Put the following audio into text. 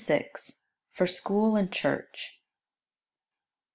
Amen. For School and Church.